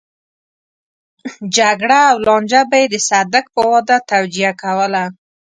جګړه او لانجه به يې د صدک په واده توجيه کوله.